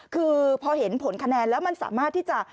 คือพอเห็นผลคะแนนแล้วมันสามารถที่จะ